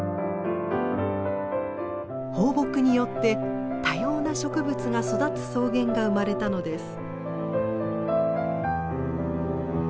放牧によって多様な植物が育つ草原が生まれたのです。